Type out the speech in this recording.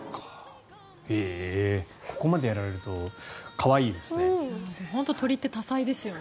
ここまでやられると可愛いですね。